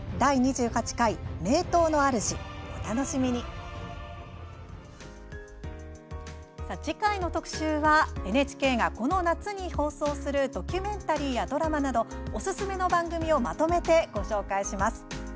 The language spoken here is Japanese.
次回の特集はＮＨＫがこの夏に放送するドキュメンタリーやドラマなどおすすめの番組をまとめてご紹介します。